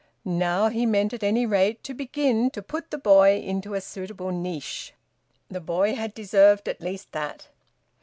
Now he meant at any rate to begin to put the boy into a suitable niche. The boy had deserved at least that.